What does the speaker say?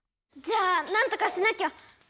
じゃあなんとかしなきゃ！